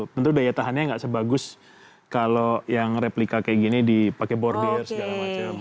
tentu daya tahannya nggak sebagus kalau yang replika kayak gini dipakai bordir segala macam